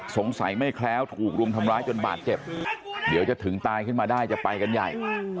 สงสัยไม่แคล้วถูกรุมทำร้ายจนบาดเจ็บเดี๋ยวจะถึงตายขึ้นมาได้จะไปกันใหญ่